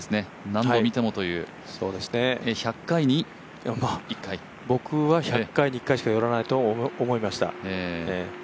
何度見てもという、１００回に１回僕は１００回に１回しか寄らないと思いました。